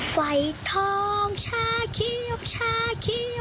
วัยทองชาเขียวชาเขียว